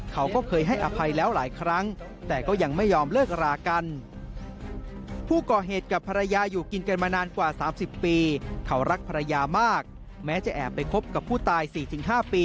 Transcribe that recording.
เขาก็เคยให้อภัยแล้วหลายครั้งแต่ก็ยังไม่ยอมเลิกราคัน